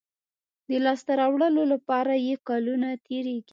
د لاسته راوړلو لپاره یې کلونه تېرېږي.